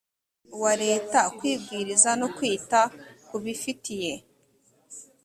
wa leta kwibwiriza no kwita ku bifitiye